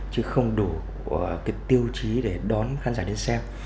chứ không đủ tiêu chí để đón khán giả đến xem